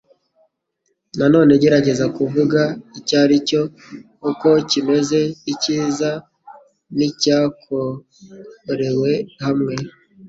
Noneho gerageza kuvuga icyo aricyo, uko kimeze, icyiza, nicyakorewe hamwe